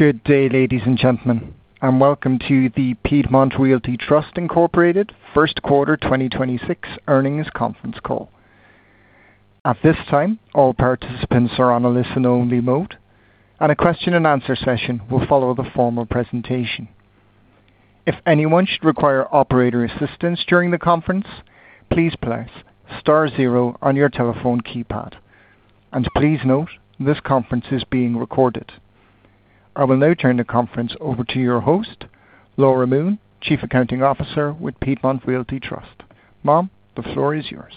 Good day, ladies and gentlemen, and welcome to the Piedmont Realty Trust, Inc. First Quarter 2026 Earnings Conference Call. At this time, all participants are on a listen only mode, and a question-and-answer session will follow the formal presentation. If anyone should require operator assistance during the conference, please press star zero on your telephone keypad and please note this conference is being recorded. I will now turn the conference over to your host, Laura Moon, Chief Accounting Officer with Piedmont Realty Trust. Ma'am, the floor is yours.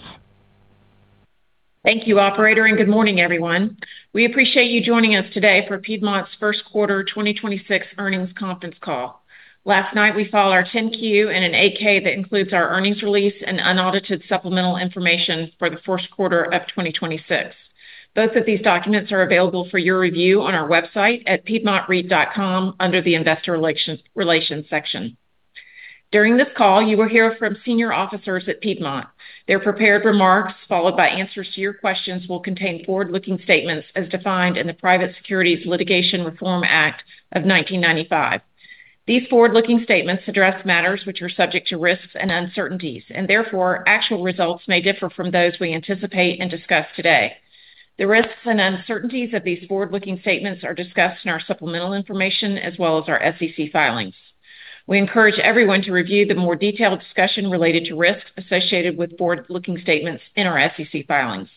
Thank you operator. Good morning, everyone. We appreciate you joining us today for Piedmont's First Quarter 2026 Earnings Conference Call. Last night we filed our 10-Q and an 8-K that includes our earnings release and unaudited supplemental information for the first quarter of 2026. Both of these documents are available for your review on our website at piedmontreit.com under the investor relations section. During this call, you will hear from senior officers at Piedmont. Their prepared remarks, followed by answers to your questions, will contain forward-looking statements as defined in the Private Securities Litigation Reform Act of 1995. These forward-looking statements address matters which are subject to risks and uncertainties, and therefore actual results may differ from those we anticipate and discuss today. The risks and uncertainties of these forward-looking statements are discussed in our supplemental information, as well as our SEC filings. We encourage everyone to review the more detailed discussion related to risks associated with forward-looking statements in our SEC filings.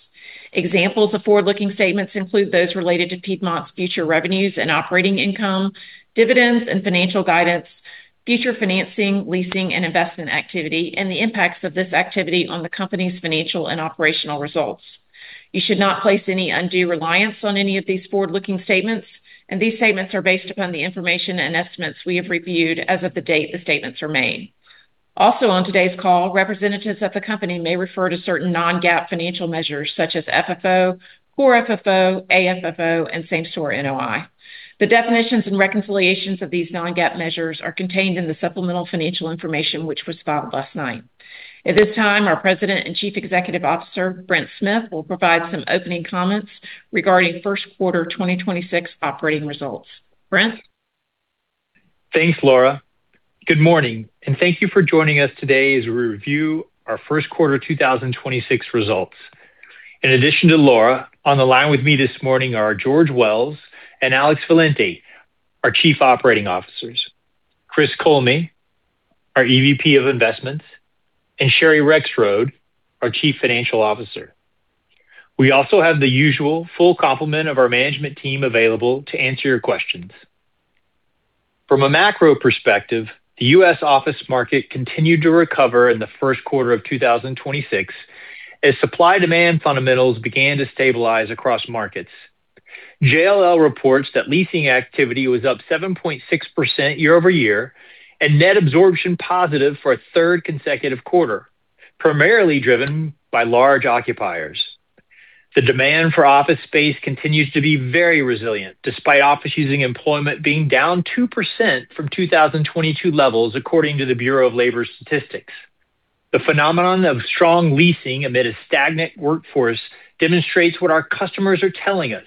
Examples of forward-looking statements include those related to Piedmont's future revenues and operating income, dividends and financial guidance, future financing, leasing and investment activity, and the impacts of this activity on the company's financial and operational results. You should not place any undue reliance on any of these forward-looking statements, and these statements are based upon the information and estimates we have reviewed as of the date the statements are made. Also on today's call, representatives of the company may refer to certain non-GAAP financial measures such as FFO, Core FFO, AFFO, and Same-Store NOI. The definitions and reconciliations of these non-GAAP measures are contained in the supplemental financial information which was filed last night. At this time, our President and Chief Executive Officer, Brent Smith, will provide some opening comments regarding first quarter 2026 operating results. Brent? Thanks, Laura. Good morning, and thank you for joining us today as we review our first quarter 2026 results. In addition to Laura, on the line with me this morning are George Wells and Alex Valente, our Chief Operating Officers, Chris Kollme, our EVP of Investments, and Sherry Rexroad, our Chief Financial Officer. We also have the usual full complement of our management team available to answer your questions. From a macro perspective, the U.S. office market continued to recover in the first quarter of 2026 as supply demand fundamentals began to stabilize across markets. JLL reports that leasing activity was up 7.6% year-over-year and net absorption positive for a third consecutive quarter, primarily driven by large occupiers. The demand for office space continues to be very resilient, despite office using employment being down 2% from 2022 levels, according to the Bureau of Labor Statistics. The phenomenon of strong leasing amid a stagnant workforce demonstrates what our customers are telling us.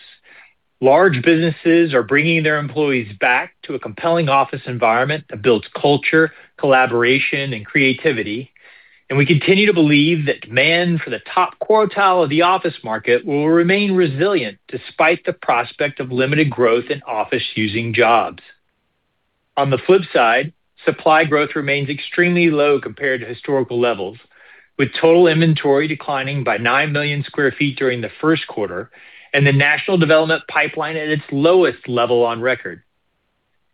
Large businesses are bringing their employees back to a compelling office environment that builds culture, collaboration, and creativity. We continue to believe that demand for the top quartile of the office market will remain resilient despite the prospect of limited growth in office using jobs. On the flip side, supply growth remains extremely low compared to historical levels, with total inventory declining by 9 million sq ft during the first quarter and the national development pipeline at its lowest level on record.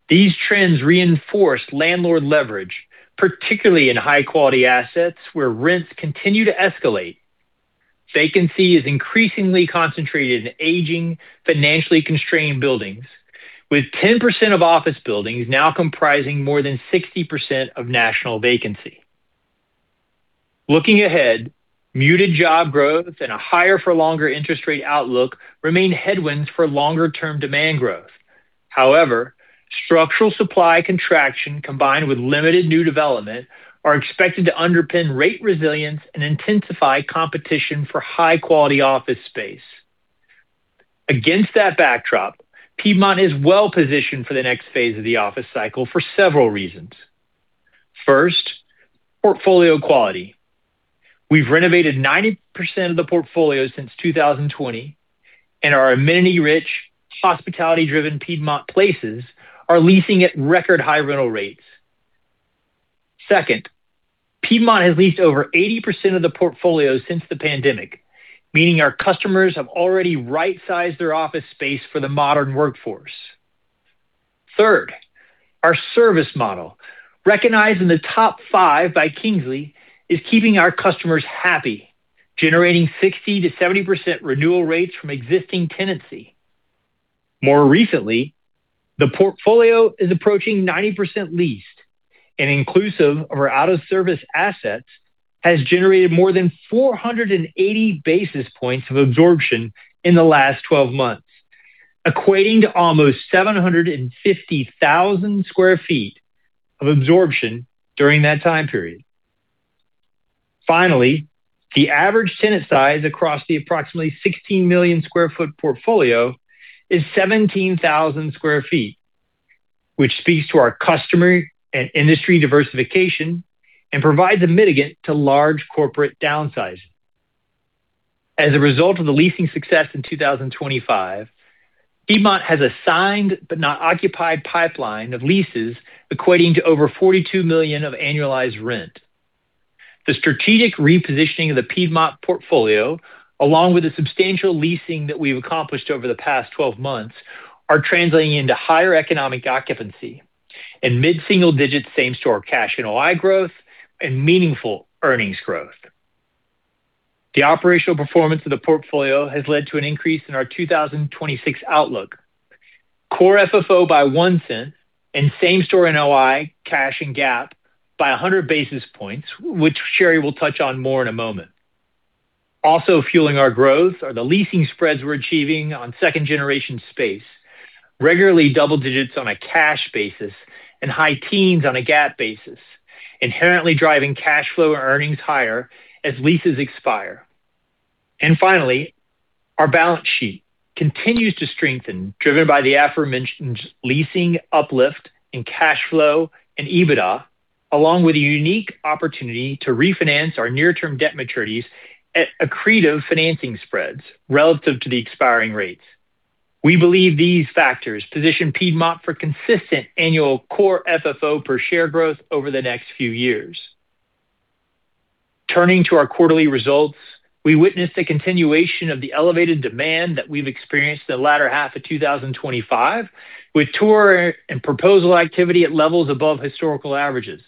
These trends reinforce landlord leverage, particularly in high quality assets where rents continue to escalate. Vacancy is increasingly concentrated in aging, financially constrained buildings, with 10% of office buildings now comprising more than 60% of national vacancy. Looking ahead, muted job growth and a higher for longer interest rate outlook remain headwinds for longer term demand growth. However, structural supply contraction combined with limited new development are expected to underpin rate resilience and intensify competition for high quality office space. Against that backdrop, Piedmont is well positioned for the next phase of the office cycle for several reasons. First, portfolio quality. We've renovated 90% of the portfolio since 2020, and our amenity-rich, hospitality driven Piedmont places are leasing at record high rental rates. Second, Piedmont has leased over 80% of the portfolio since the pandemic, meaning our customers have already right-sized their office space for the modern workforce. Third, our service model, recognized in the Top Five by Kingsley, is keeping our customers happy, generating 60%-70% renewal rates from existing tenancy. More recently, the portfolio is approaching 90% leased and inclusive of our out of service assets has generated more than 480 basis points of absorption in the last 12 months, equating to almost 750,000 sq ft of absorption during that time period. Finally, the average tenant size across the approximately 16 million sq ft portfolio is 17,000 sq ft, which speaks to our customer and industry diversification and provides a mitigant to large corporate downsizing. As a result of the leasing success in 2025, Piedmont has assigned but not occupied pipeline of leases equating to over $42 million of annualized rent. The strategic repositioning of the Piedmont portfolio, along with the substantial leasing that we've accomplished over the past 12 months, are translating into higher economic occupancy and mid-single digits Same-Store NOI cash growth and meaningful earnings growth. The operational performance of the portfolio has led to an increase in our 2026 outlook. Core FFO by $0.01 and Same-Store NOI cash and GAAP by 100 basis points, which Sherry will touch on more in a moment. Also fueling our growth are the leasing spreads we're achieving on second generation space. Regularly double digits on a cash basis and high teens on a GAAP basis, inherently driving cash flow earnings higher as leases expire. Finally, our balance sheet continues to strengthen, driven by the aforementioned leasing uplift in cash flow and EBITDA, along with a unique opportunity to refinance our near term debt maturities at accretive financing spreads relative to the expiring rates. We believe these factors position Piedmont for consistent annual Core FFO per share growth over the next few years. Turning to our quarterly results, we witnessed a continuation of the elevated demand that we've experienced the latter half of 2025, with tour and proposal activity at levels above historical averages.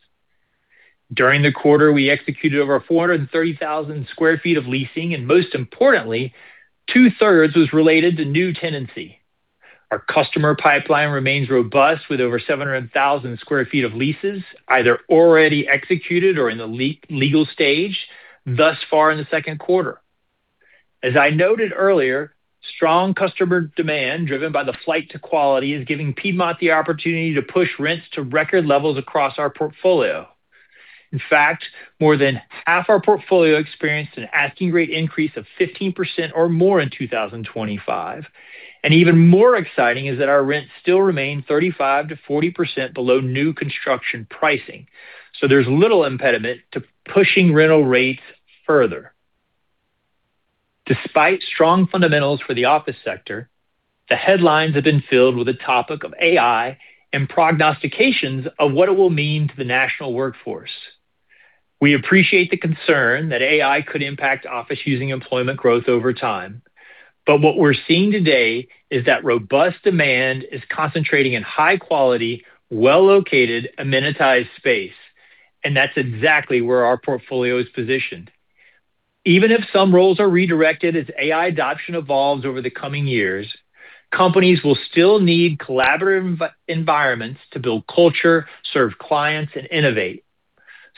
During the quarter, we executed over 430,000 sq ft of leasing, and most importantly, 2/3 was related to new tenancy. Our customer pipeline remains robust with over 700,000 sq ft of leases, either already executed or in the legal stage thus far in the second quarter. As I noted earlier, strong customer demand driven by the flight to quality is giving Piedmont the opportunity to push rents to record levels across our portfolio. In fact, more than 1/2 our portfolio experienced an asking rate increase of 15% or more in 2025. Even more exciting is that our rents still remain 35%-40% below new construction pricing. There's little impediment to pushing rental rates further. Despite strong fundamentals for the office sector, the headlines have been filled with the topic of AI and prognostications of what it will mean to the national workforce. We appreciate the concern that AI could impact office using employment growth over time, but what we're seeing today is that robust demand is concentrating in high quality, well-located, amenitized space, and that's exactly where our portfolio is positioned. Even if some roles are redirected as AI adoption evolves over the coming years, companies will still need collaborative environments to build culture, serve clients, and innovate.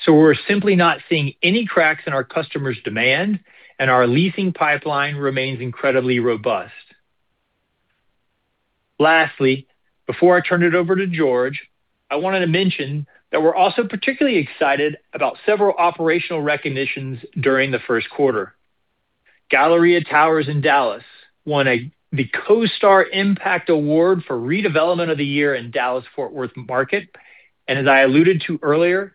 We're simply not seeing any cracks in our customers' demand, and our leasing pipeline remains incredibly robust. Lastly, before I turn it over to George, I wanted to mention that we're also particularly excited about several operational recognitions during the first quarter. Galleria Towers in Dallas won the CoStar Impact Award for Redevelopment of the Year in Dallas-Fort Worth market. As I alluded to earlier,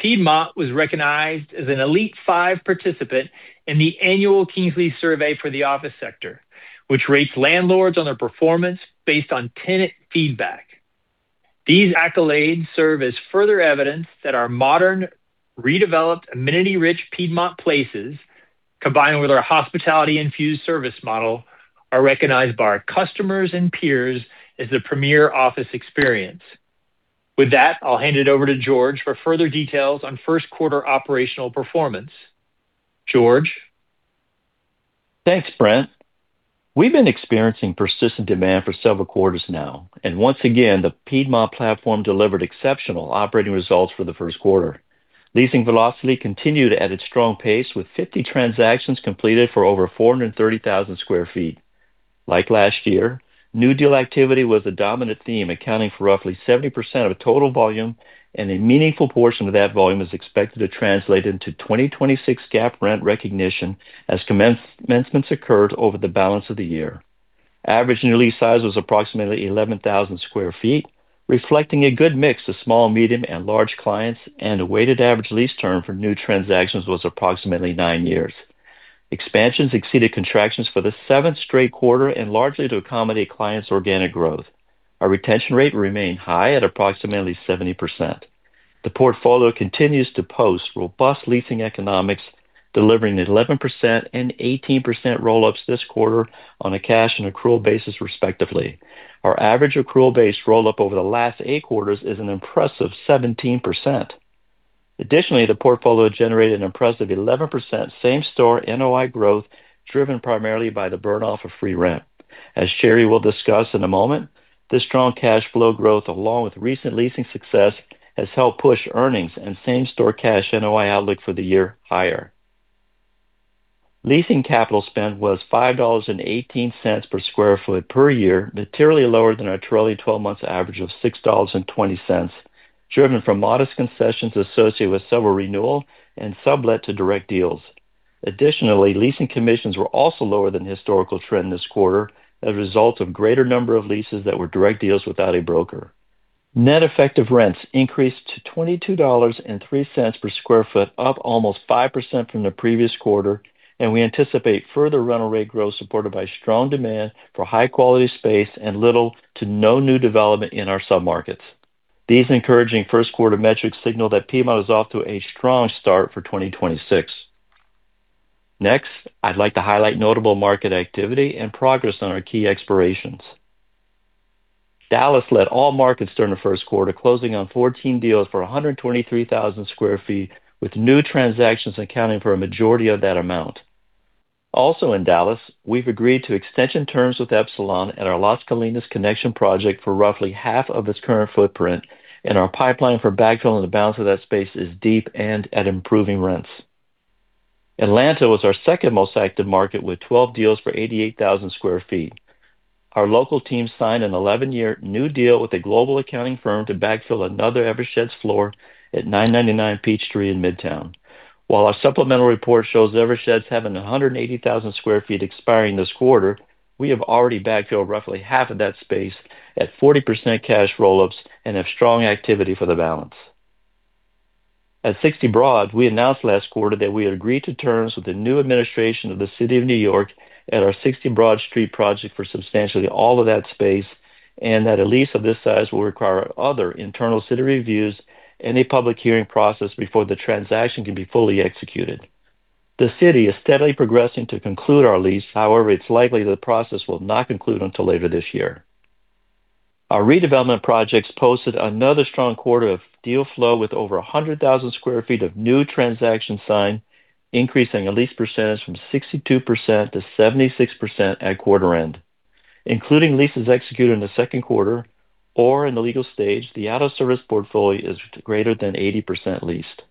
Piedmont was recognized as an Elite Five participant in the annual Kingsley Survey for the office sector, which rates landlords on their performance based on tenant feedback. These accolades serve as further evidence that our modern, redeveloped, amenity-rich Piedmont places, combined with our hospitality infused service model, are recognized by our customers and peers as the premier office experience. With that, I'll hand it over to George for further details on first quarter operational performance. George? Thanks, Brent. We've been experiencing persistent demand for several quarters now, and once again, the Piedmont platform delivered exceptional operating results for the first quarter. Leasing velocity continued at its strong pace with 50 transactions completed for over 430,000 sq ft. Like last year, new deal activity was a dominant theme, accounting for roughly 70% of total volume, and a meaningful portion of that volume is expected to translate into 2026 GAAP rent recognition as commencements occurred over the balance of the year. Average new lease size was approximately 11,000 sq ft, reflecting a good mix of small, medium, and large clients, and a weighted average lease term for new transactions was approximately nine years. Expansions exceeded contractions for the seventh straight quarter and largely to accommodate clients' organic growth. Our retention rate remained high at approximately 70%. The portfolio continues to post robust leasing economics, delivering 11% and 18% roll-ups this quarter on a cash and accrual basis, respectively. Our average accrual base roll up over the last eight quarters is an impressive 17%. Additionally, the portfolio generated an impressive 11% Same-Store NOI growth, driven primarily by the burn-off of free rent. As Sherry will discuss in a moment, this strong cash flow growth, along with recent leasing success, has helped push earnings and Same-Store cash NOI outlook for the year higher. Leasing capital spend was $5.18 per sq ft per year, materially lower than our trailing 12 months average of $6.20, driven from modest concessions associated with several renewal and sublet to direct deals. Additionally, leasing commissions were also lower than historical trend this quarter as a result of greater number of leases that were direct deals without a broker. Net effective rents increased to $22.03 per square foot, up almost 5% from the previous quarter, and we anticipate further rental rate growth supported by strong demand for high quality space and little to no new development in our submarkets. These encouraging first quarter metrics signal that Piedmont is off to a strong start for 2026. Next, I'd like to highlight notable market activity and progress on our key expirations. Dallas led all markets during the first quarter, closing on 14 deals for 123,000 sq ft, with new transactions accounting for a majority of that amount. Also in Dallas, we've agreed to extension terms with Epsilon at our Las Colinas connection project for roughly half of its current footprint, and our pipeline for backfilling the balance of that space is deep and at improving rents. Atlanta was our second most active market with 12 deals for 88,000 sq ft. Our local team signed an 11-year new deal with a global accounting firm to backfill another Eversheds floor at 999 Peachtree in Midtown. While our supplemental report shows Eversheds having 180,000 sq ft expiring this quarter, we have already backfilled roughly half of that space at 40% cash roll-ups and have strong activity for the balance. At 60 Broad, we announced last quarter that we had agreed to terms with the new administration of the City of New York at our 60 Broad Street project for substantially all of that space, and that a lease of this size will require other internal city reviews and a public hearing process before the transaction can be fully executed. The city is steadily progressing to conclude our lease. However, it's likely the process will not conclude until later this year. Our redevelopment projects posted another strong quarter of deal flow with over 100,000 sq ft of new transaction signed, increasing a lease percentage from 62%-76% at quarter end. Including leases executed in the second quarter or in the legal stage, the out of service portfolio is greater than 80% leased.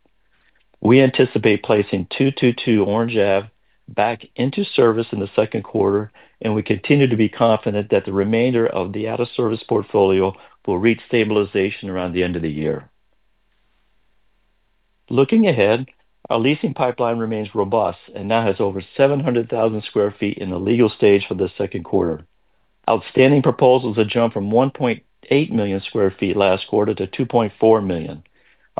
We anticipate placing 222 Orange Ave back into service in the second quarter, and we continue to be confident that the remainder of the out of service portfolio will reach stabilization around the end of the year. Looking ahead, our leasing pipeline remains robust and now has over 700,000 sq ft in the legal stage for the second quarter. Outstanding proposals have jumped from 1.8 million sq ft last quarter to 2.4 million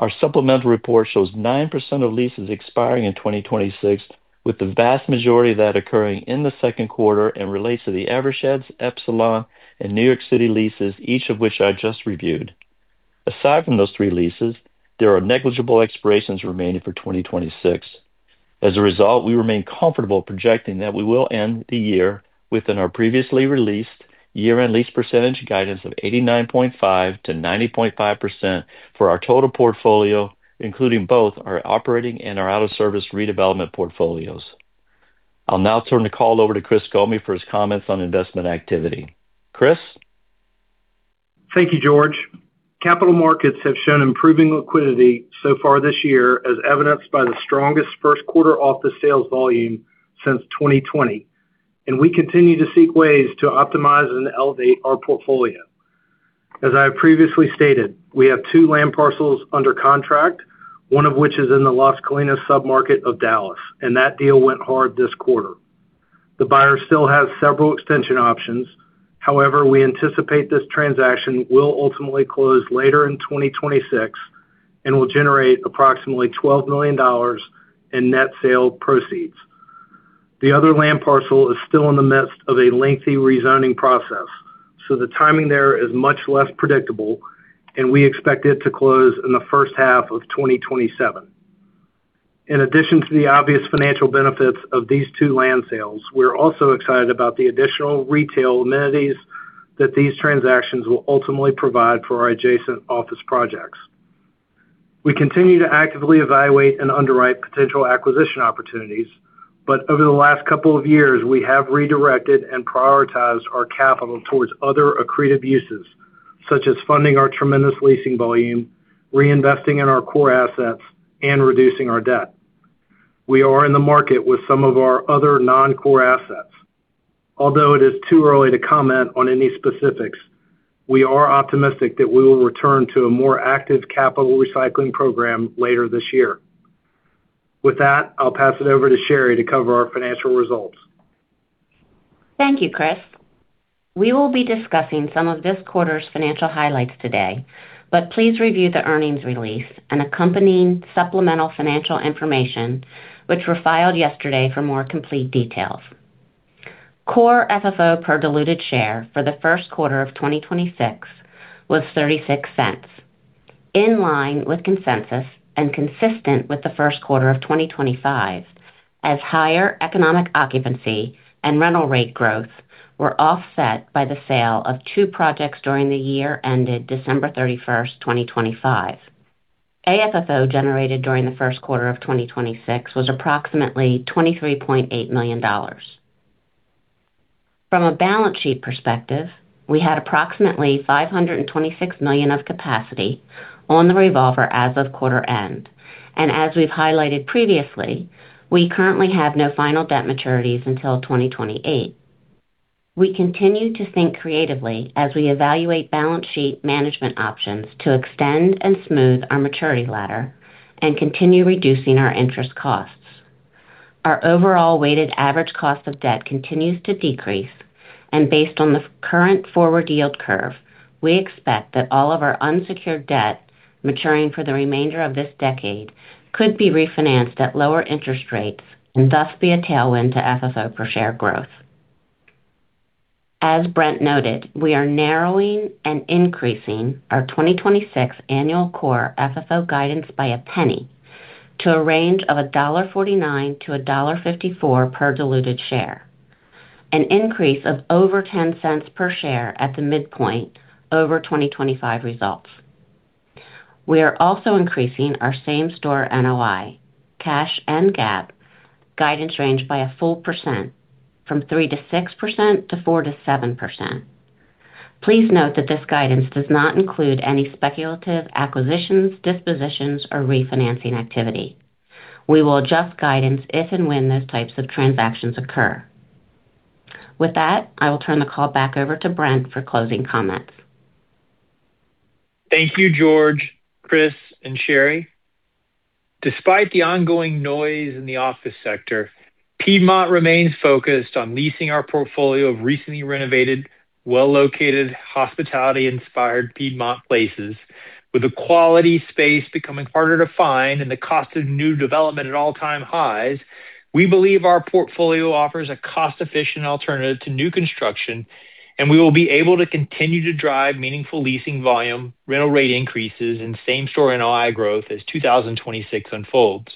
sq ft. Our supplemental report shows 9% of leases expiring in 2026, with the vast majority of that occurring in the second quarter and relates to the Eversheds, Epsilon, and New York City leases, each of which I just reviewed. Aside from those three leases, there are negligible expirations remaining for 2026. As a result, we remain comfortable projecting that we will end the year within our previously released year-end lease percentage guidance of 89.5%-90.5% for our total portfolio, including both our operating and our out of service redevelopment portfolios. I'll now turn the call over to Chris Kollme for his comments on investment activity. Chris? Thank you, George. Capital markets have shown improving liquidity so far this year, as evidenced by the strongest first quarter office sales volume since 2020. We continue to seek ways to optimize and elevate our portfolio. As I have previously stated, we have two land parcels under contract, one of which is in the Las Colinas submarket of Dallas, and that deal went hard this quarter. The buyer still has several extension options. However, we anticipate this transaction will ultimately close later in 2026 and will generate approximately $12 million in net sale proceeds. The other land parcel is still in the midst of a lengthy rezoning process, so the timing there is much less predictable, and we expect it to close in the first half of 2027. In addition to the obvious financial benefits of these two land sales, we're also excited about the additional retail amenities that these transactions will ultimately provide for our adjacent office projects. We continue to act and re-evaluate and under rate potential acquisition opportunities but over the last couple of years, we have redirected and prioritized our capital towards other accretive uses, such as funding our tremendous leasing volume, reinvesting in our core assets, and reducing our debt. We are in the market with some of our other non-core assets. It is too early to comment on any specifics, we are optimistic that we will return to a more active capital recycling program later this year. With that, I'll pass it over to Sherry to cover our financial results. Thank you, Chris. We will be discussing some of this quarter's financial highlights today, but please review the earnings release and accompanying supplemental financial information which were filed yesterday for more complete details. Core FFO per diluted share for the first quarter of 2026 was $0.36, in line with consensus and consistent with the first quarter of 2025, as higher economic occupancy and rental rate growth were offset by the sale of two projects during the year ended December 31st, 2025. AFFO generated during the first quarter of 2026 was approximately $23.8 million. From a balance sheet perspective, we had approximately $526 million of capacity on the revolver as of quarter end. As we've highlighted previously, we currently have no final debt maturities until 2028. We continue to think creatively as we evaluate balance sheet management options to extend and smooth our maturity ladder and continue reducing our interest costs. Our overall weighted average cost of debt continues to decrease. Based on the current forward yield curve, we expect that all of our unsecured debt maturing for the remainder of this decade could be refinanced at lower interest rates and thus be a tailwind to FFO per share growth. As Brent noted, we are narrowing and increasing our 2026 annual Core FFO guidance by $0.01 to a range of $1.49-$1.54 per diluted share, an increase of over $0.10 per share at the midpoint over 2025 results. We are also increasing our Same-Store NOI, cash, and GAAP guidance range by 1% from 3%-6% to 4%-7%. Please note that this guidance does not include any speculative acquisitions, dispositions, or refinancing activity. We will adjust guidance if and when those types of transactions occur. With that, I will turn the call back over to Brent for closing comments. Thank you, George, Chris, and Sherry. Despite the ongoing noise in the office sector, Piedmont remains focused on leasing our portfolio of recently renovated, well-located, hospitality inspired Piedmont places. With a quality space becoming harder to find and the cost of new development at all-time highs, we believe our portfolio offers a cost-efficient alternative to new construction, and we will be able to continue to drive meaningful leasing volume, rental rate increases, and Same-Store NOI growth as 2026 unfolds.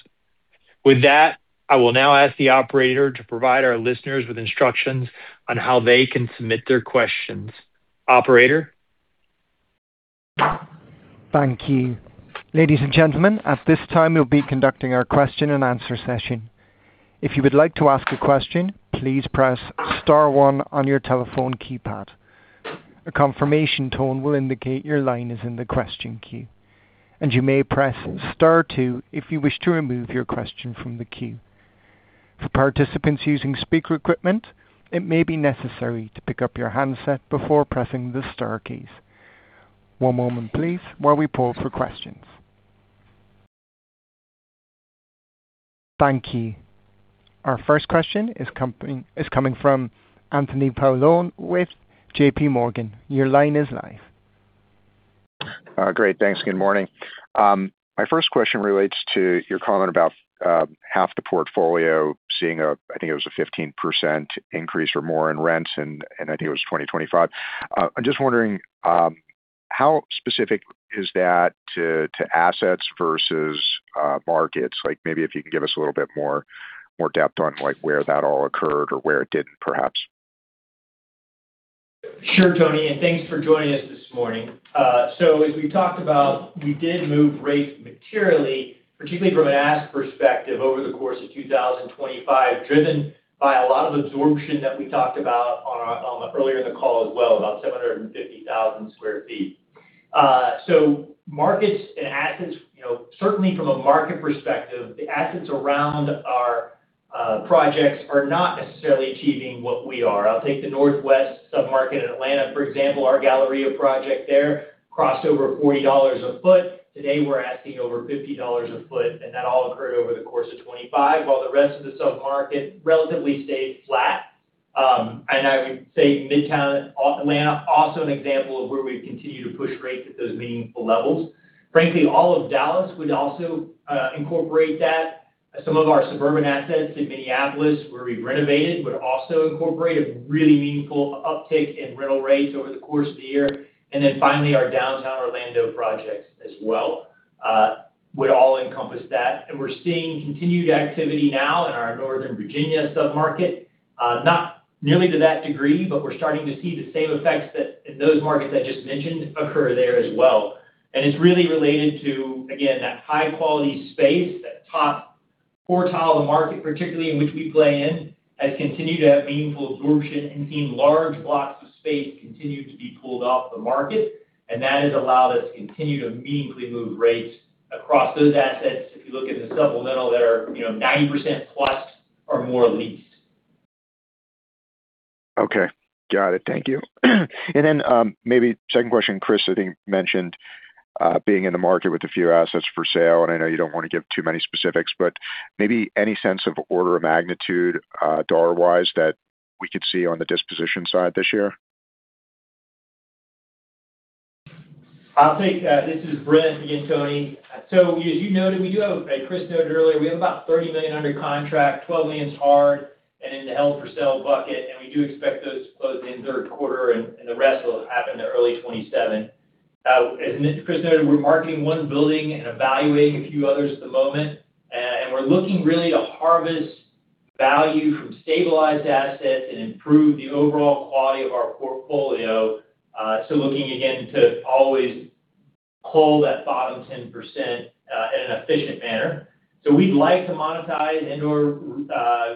With that, I will now ask the operator to provide our listeners with instructions on how they can submit their questions. Operator. Thank you. Ladies and gentlemen, at this time we'll be conducting our question and answer session. If you would like to ask a question, please press star one on your telephone keypad. A confirmation tone will indicate your line is in the question queue, and you may press star two if you wish to remove your question from the queue. For participants using speaker equipment, it may be necessary to pick up your handset before pressing the star keys. One moment please while we pull for questions. Thank you. Our first question is coming from Anthony Paolone with JPMorgan. Your line is live. Great. Thanks. Good morning. My first question relates to your comment about half the portfolio seeing a, I think it was a 15% increase or more in rents, and I think it was 2025. I'm just wondering how specific is that to assets versus markets? Like maybe if you could give us a little bit more depth on like where that all occurred or where it didn't, perhaps. Sure, Tony, and thanks for joining us this morning. As we talked about, we did move rates materially, particularly from an ask perspective over the course of 2025, driven by a lot of absorption that we talked about earlier in the call as well, about 750,000 sq ft. Markets and assets, you know, certainly from a market perspective, the assets around our projects are not necessarily achieving what we are. I'll take the Northwest sub-market in Atlanta, for example, our Galleria project there crossed over $40 a foot. Today, we're asking over $50 a foot, and that all occurred over the course of 2025, while the rest of the sub-market relatively stayed flat. I would say Midtown Atlanta, also an example of where we've continued to push rates at those meaningful levels. Frankly, all of Dallas would also incorporate that. Some of our suburban assets in Minneapolis where we renovated would also incorporate a really meaningful uptick in rental rates over the course of the year. Finally, our downtown Orlando projects as well would all encompass that. We're seeing continued activity now in our Northern Virginia sub-market. Not nearly to that degree, but we're starting to see the same effects that in those markets I just mentioned occur there as well. It's really related to, again, that high-quality space, that top quartile of the market, particularly in which we play in, has continued to have meaningful absorption and seen large blocks of space continue to be pulled off the market. That has allowed us to continue to meaningfully move rates across those assets. If you look in the supplemental that are, you know, 90% plus or more leased. Okay. Got it. Thank you. Maybe second question, Chris, I think, mentioned being in the market with a few assets for sale, and I know you don't want to give too many specifics, but maybe any sense of order of magnitude, dollar-wise that we could see on the disposition side this year? I'll take that. This is Brent again, Tony. As you noted, as Chris noted earlier, we have about $30 million under contract, $12 million hard and in the held for sale bucket, and we do expect those to close in third quarter and the rest will happen in early 2027. As Chris noted, we're marketing one building and evaluating a few others at the moment. We're looking really to harvest value from stabilized assets and improve the overall quality of our portfolio. Looking again to always cull that bottom 10% in an efficient manner. We'd like to monetize and/or,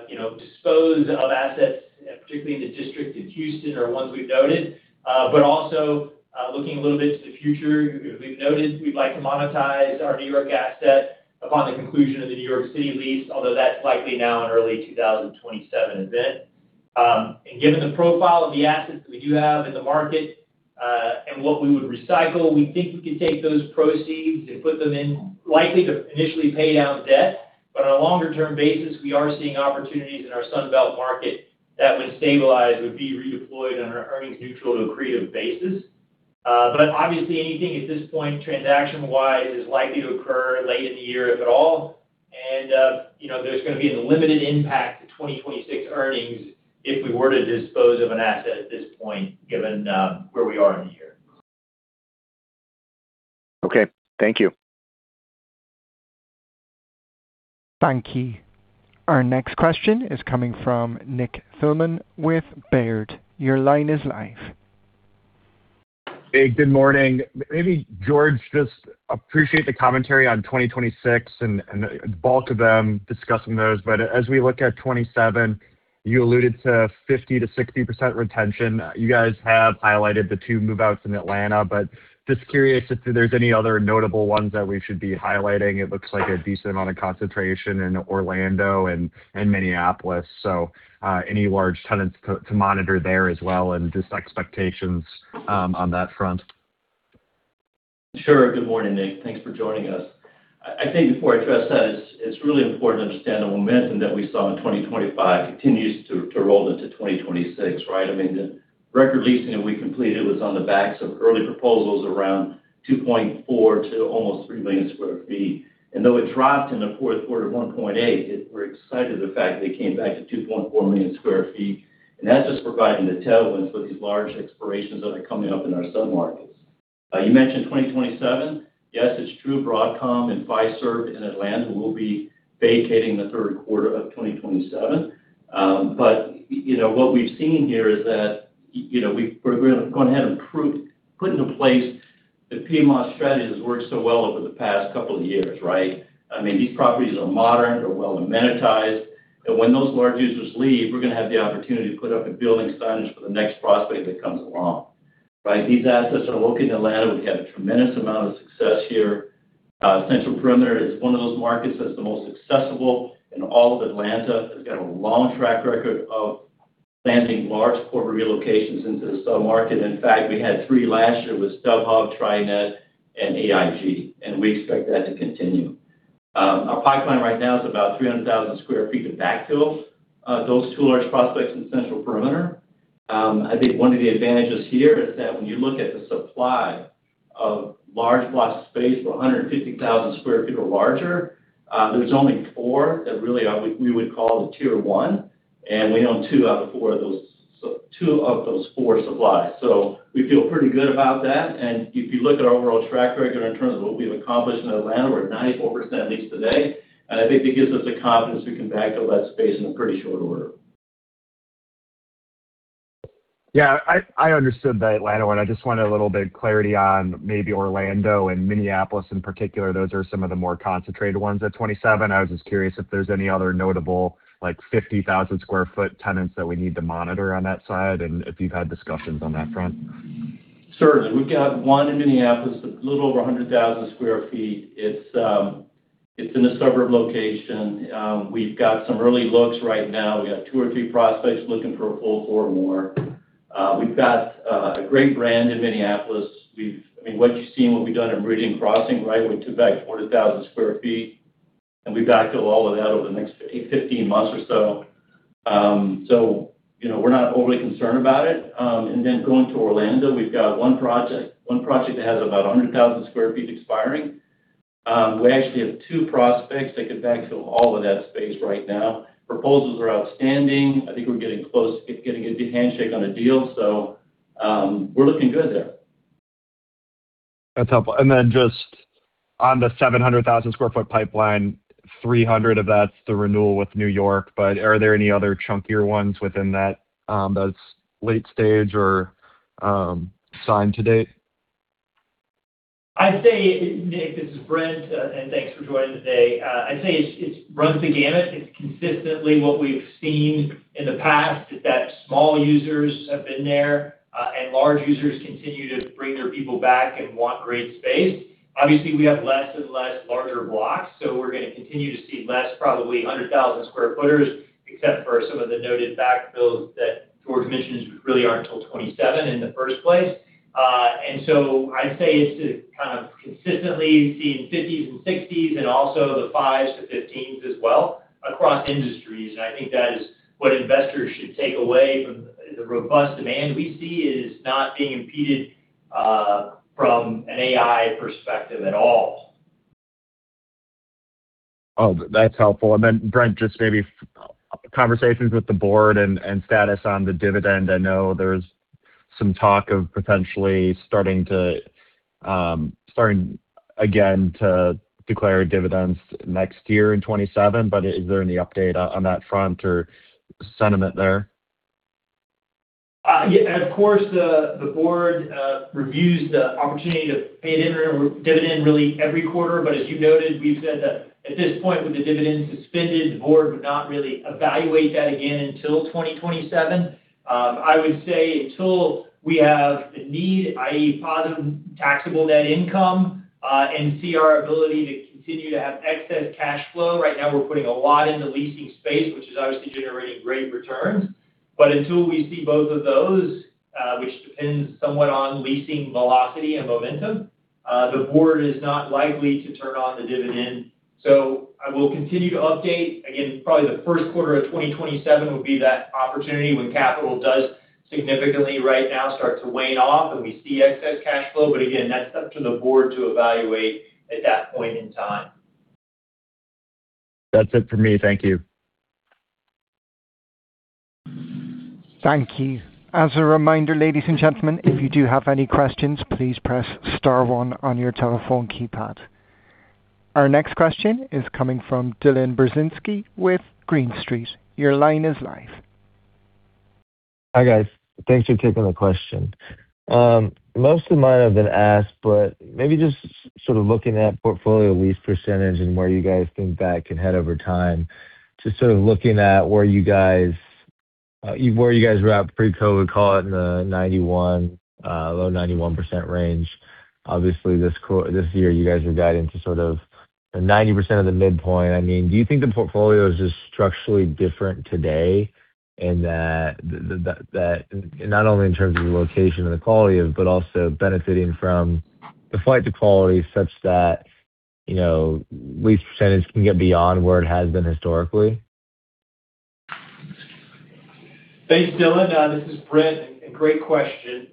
you know, dispose of assets, particularly in the district in Houston or ones we've noted. Also, looking a little bit to the future, we've noted we'd like to monetize our New York asset upon the conclusion of the New York City lease, although that's likely now an early 2027 event. Given the profile of the assets we do have in the market, and what we would recycle, we think we could take those proceeds and put them in likely to initially pay down debt. On a longer term basis, we are seeing opportunities in our Sun Belt market that would stabilize, would be redeployed on an earnings neutral to accretive basis. Obviously, anything at this point, transaction-wise, is likely to occur late in the year, if at all. You know, there's gonna be a limited impact to 2026 earnings if we were to dispose of an asset at this point, given where we are in the year. Okay. Thank you. Thank you. Our next question is coming from Nick Thillman with Baird. Your line is live. Hey, good morning. Maybe George, just appreciate the commentary on 2026 and the bulk of them discussing those. As we look at 2027, you alluded to 50%-60% retention. You guys have highlighted the two move-outs in Atlanta, just curious if there's any other notable ones that we should be highlighting. It looks like a decent amount of concentration in Orlando and Minneapolis. Any large tenants to monitor there as well and just expectations on that front? Sure. Good morning, Nick. Thanks for joining us. I think before I address that, it's really important to understand the momentum that we saw in 2025 continues to roll into 2026, right? I mean, the record leasing that we completed was on the backs of early proposals around 2.4 million sq ft to almost 3 million sq ft. Though it dropped in the fourth quarter to 1.8 million sq ft, we're excited the fact that it came back to 2.4 million sq ft. That's just providing the tailwinds for these large expirations that are coming up in our submarkets. You mentioned 2027. Yes, it's true, Broadcom and Fiserv in Atlanta will be vacating the third quarter of 2027. You know, what we've seen here is that, you know, we're going ahead and put into place the PMO strategy that's worked so well over the past couple of years, right? I mean, these properties are modern, they're well-amenitized, and when those large users leave, we're gonna have the opportunity to put up a building signage for the next prospect that comes along, right? These assets are located in Atlanta. We've had a tremendous amount of success here. Central Perimeter is one of those markets that's the most accessible in all of Atlanta. It's got a long track record of landing large corporate relocations into the submarket. In fact, we had three last year with StubHub, TriNet, and AIG, and we expect that to continue. Our pipeline right now is about 300,000 sq ft to backfill those two large prospects in Central Perimeter. I think one of the advantages here is that when you look at the supply of large block space of 150,000 sq ft or larger, there's only four that really we would call the tier one, and we own two out of four of those, so two of those four supplies. We feel pretty good about that. If you look at our overall track record in terms of what we've accomplished in Atlanta, we're at 94% leased today. I think that gives us the confidence we can backfill that space in a pretty short order. Yeah, I understood the Atlanta one. I just wanted a little bit of clarity on maybe Orlando and Minneapolis in particular. Those are some of the more concentrated ones at 27 sq ft. I was just curious if there's any other notable, like 50,000 sq ft tenants that we need to monitor on that side and if you've had discussions on that front. Certainly. We've got one in Minneapolis, a little over 100,000 sq ft. It's in a suburb location. We've got some early looks right now. We got two or three prospects looking for a full floor more. We've got a great brand in Minneapolis. I mean, what you've seen, what we've done in Bridgewater Crossing, right? We took back 40,000 sq ft, and we backfill all of that over the next 15 months or so. You know, we're not overly concerned about it. Going to Orlando, we've got one project, one project that has about 100,000 sq ft expiring. We actually have two prospects that could backfill all of that space right now. Proposals are outstanding. I think we're getting close, getting a good handshake on a deal. We're looking good there. That's helpful. Then just on the 700,000 sq ft pipeline, 300,000 sq ft of that's the renewal with New York, but are there any other chunkier ones within that that's late stage or signed to date? I'd say, Nick, this is Brent. Thanks for joining today. I'd say it's runs the gamut. It's consistently what we've seen in the past that small users have been there, and large users continue to bring their people back and want great space. Obviously, we have less and less larger blocks, so we're gonna continue to see less probably 100,000 sq footers except for some of the noted backfills that George mentioned really aren't till 27 sq ft in the first place. I'd say it's to kind of consistently seeing 50 sq ft and 60 sq ft and also the 5 sq ft-15 sq ft as well across industries. I think that is what investors should take away from the robust demand we see is not being impeded from an AI perspective at all. Oh, that's helpful. Brent, just maybe conversations with the Board and status on the dividend. I know there's some talk of potentially starting to starting again to declare dividends next year in 2027, is there any update on that front or sentiment there? Yeah, of course, the board reviews the opportunity to pay a dividend really every quarter. As you noted, we've said that at this point, with the dividend suspended, the board would not really evaluate that again until 2027. I would say until we have the need, i.e., positive taxable net income, and see our ability to continue to have excess cash flow. Right now, we're putting a lot in the leasing space, which is obviously generating great returns. Until we see both of those, which depends somewhat on leasing velocity and momentum, the board is not likely to turn on the dividend. I will continue to update. Again, probably the 1st quarter of 2027 would be that opportunity when capital does significantly right now start to wane off and we see excess cash flow. Again, that's up to the Board to evaluate at that point in time. That's it for me. Thank you. Thank you. As a reminder, ladies and gentlemen, if you do have any questions, please press star one on your telephone keypad. Our next question is coming from Dylan Burzinski with Green Street. Your line is live. Hi, guys. Thanks for taking the question. Most of mine have been asked, maybe just sort of looking at portfolio lease percentage and where you guys think that can head over time. Just sort of looking at where you guys, where you guys were at pre-COVID, call it in the 91%, low 91% range. Obviously, this year, you guys are guiding to sort of the 90% of the midpoint. I mean, do you think the portfolio is just structurally different today in that not only in terms of the location and the quality of, but also benefiting from the flight to quality such that, you know, lease percentage can get beyond where it has been historically? Thanks, Dylan. This is Brent. A great question.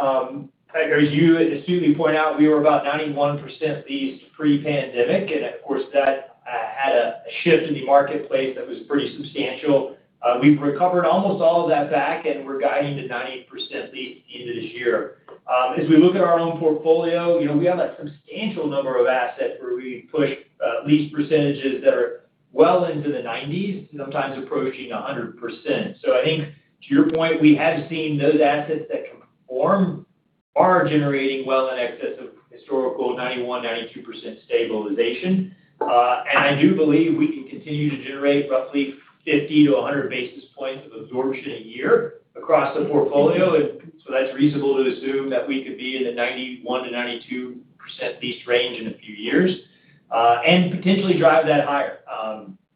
As you point out, we were about 91% leased pre-pandemic, and of course, that had a shift in the marketplace that was pretty substantial. We've recovered almost all of that back, and we're guiding to 90% leased into this year. As we look at our own portfolio, you know, we have a substantial number of assets where we push lease percentages that are well into the nineties, sometimes approaching 100%. I think to your point, we have seen those assets that can perform are generating well in excess of historical 91%-92% stabilization. I do believe we can continue to generate roughly 50 basis points-100 basis points of absorption a year across the portfolio. That's reasonable to assume that we could be in the 91%-92% leased range in a few years and potentially drive that higher.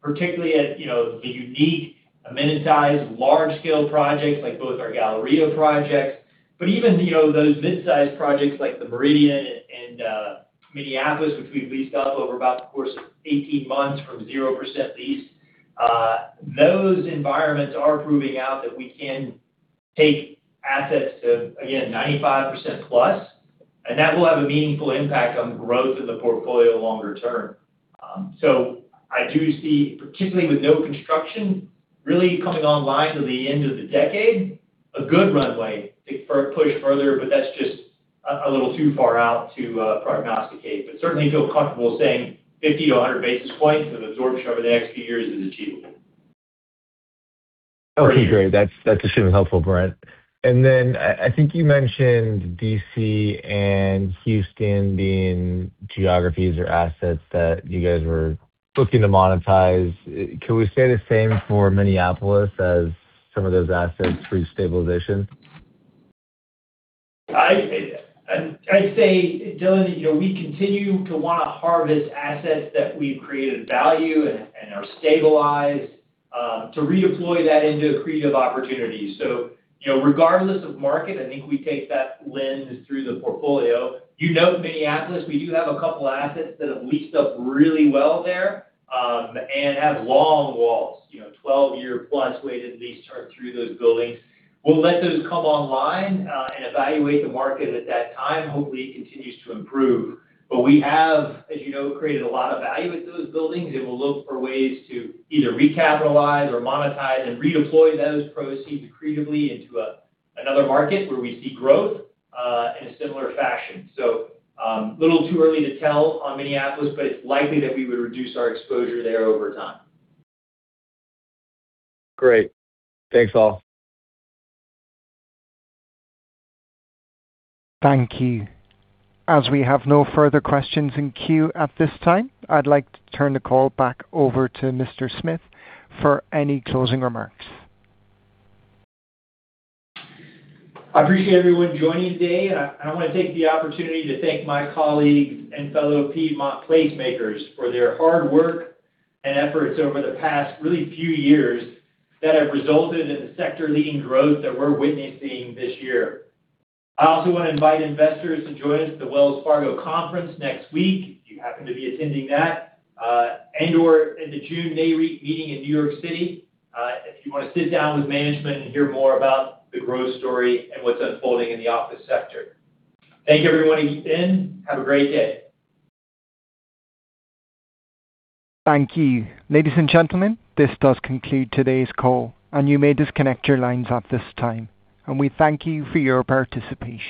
Particularly at, you know, the unique amenitized, large scale projects like both our Galleria projects. Even, you know, those mid-sized projects like The Meridian in Minneapolis, which we've leased up over about the course of 18 months from 0% leased. Those environments are proving out that we can take assets to, again, 95%+, and that will have a meaningful impact on growth in the portfolio longer term. I do see, particularly with no construction really coming online till the end of the decade, a good runway to push further, but that's just a little too far out to prognosticate. Certainly feel comfortable saying 50 basis points-100 basis points of absorption over the next few years is achievable. Okay, great. That's extremely helpful, Brent. I think you mentioned D.C. and Houston being geographies or assets that you guys were looking to monetize. Can we say the same for Minneapolis as some of those assets for stabilization? I'd say, Dylan, you know, we continue to wanna harvest assets that we've created value and are stabilized to reemploy that into accretive opportunities. You know, regardless of market, I think we take that lens through the portfolio. You note Minneapolis, we do have a couple assets that have leased up really well there and have long WALTs. You know, 12-year plus weighted lease term through those buildings. We'll let those come online and evaluate the market at that time. Hopefully, it continues to improve. We have, as you know, created a lot of value with those buildings, and we'll look for ways to either recapitalize or monetize and redeploy those proceeds accretively into another market where we see growth in a similar fashion. A little too early to tell on Minneapolis, but it's likely that we would reduce our exposure there over time. Great. Thanks, all. Thank you. As we have no further questions in queue at this time, I'd like to turn the call back over to Mr. Smith for any closing remarks. I appreciate everyone joining today. I want to take the opportunity to thank my colleagues and fellow Piedmont Placemakers for their hard work and efforts over the past really few years that have resulted in the sector-leading growth that we're witnessing this year. I also want to invite investors to join us at the Wells Fargo conference next week, if you happen to be attending that, and/or in the June Nareit meeting in New York City, if you want to sit down with management and hear more about the growth story and what's unfolding in the office sector. Thank you, everyone, again. Have a great day. Thank you. Ladies and gentlemen, this does conclude today's call, and you may disconnect your lines at this time. We thank you for your participation.